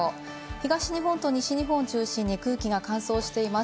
東日本と西日本を中心に空気が乾燥しています。